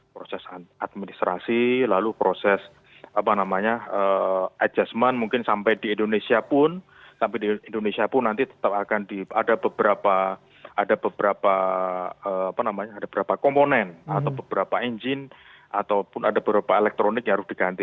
proses administrasi lalu proses adjustment mungkin sampai di indonesia pun nanti tetap akan ada beberapa komponen atau beberapa engine ataupun ada beberapa elektronik yang harus diganti